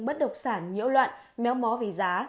bất độc sản nhỡ loạn méo mó vì giá